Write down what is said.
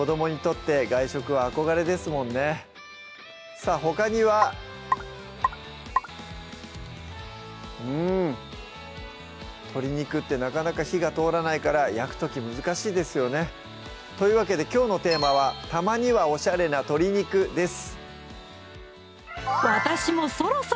さぁほかにはうん鶏肉ってなかなか火が通らないから焼く時難しいですよねというわけできょうのテーマは「たまにはオシャレな鶏肉」です